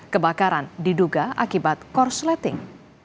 kebakaran diduga akibat korsleting